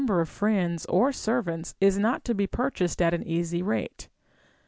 niiraber of friends or servants is not to be purchased at an easy rate.